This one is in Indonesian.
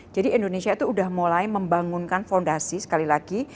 jadi indonesia itu udah mulai membangunkan fondasi sekali lagi